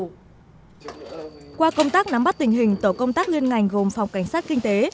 qua công tác nắm bắt tình hình tổ công tác liên ngành gồm phòng cảnh sát kinh tế